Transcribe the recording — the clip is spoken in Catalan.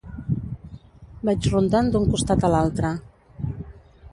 Vaig rondant d'un costat a l'altre.